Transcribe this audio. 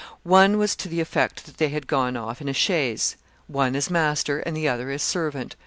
One was to the effect that they had gone off in a chaise; one as master, and the other as servant.